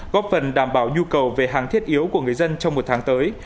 góp phần đảm bảo nhu cầu về hàng thiết yếu của người dân trong một tháng tới